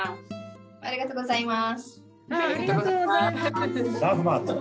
ありがとうございます。